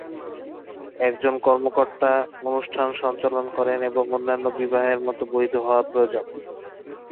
একজন কর্মকর্তা অনুষ্ঠান সঞ্চালন করেন এবং অন্যান্য বিবাহের মত বৈধ হওয়া প্রয়োজন।